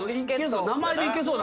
名前でいけそうだもん。